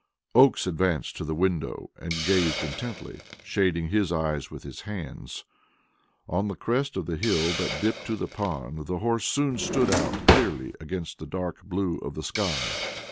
Oakes advanced to the window and gazed intently, shading his eyes with his hands. On the crest of the hill that dipped to the pond the horse soon stood out clearly against the dark blue of the sky.